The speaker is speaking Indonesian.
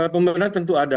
pemenang tentu ada